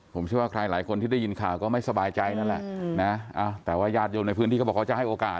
ผมเชื่อว่าใครหลายคนที่ได้ยินข่าวก็ไม่สบายใจนั่นแหละนะแต่ว่าญาติโยมในพื้นที่เขาบอกเขาจะให้โอกาส